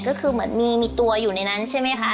ก็คือเหมือนมีตัวอยู่ในนั้นใช่ไหมคะ